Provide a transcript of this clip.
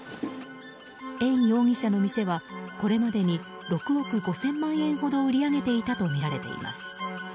エン容疑者の店はこれまでに６億５０００万円ほど売り上げていたとみられています。